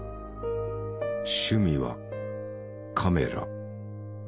趣味はカメラ。